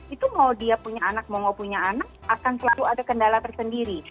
itu mau dia punya anak mau punya anak akan selalu ada kendala tersendiri